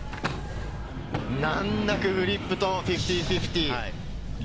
難なくフリップと５０−５０。